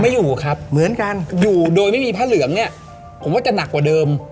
ไม่อยู่ครับอยู่โดยไม่มีพระเหลืองเนี่ยผมว่าจะหนักกว่าเดิม